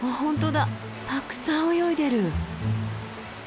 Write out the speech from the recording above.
たくさん泳いでる。